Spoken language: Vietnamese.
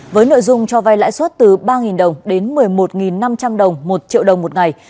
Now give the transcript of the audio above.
với nội dung cho vai lãi suất từ ba đồng đến một mươi một năm trăm linh đồng một triệu đồng một ngày